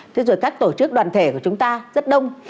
thế rồi các tổ chức đoàn thể của chúng ta rất đông